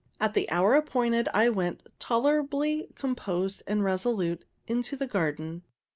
At the hour appointed, I went, tolerably composed and resolute, into the garden.